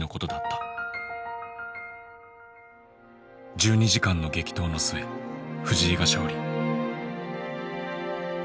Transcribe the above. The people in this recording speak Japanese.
１２時間の激闘の末藤井が勝利。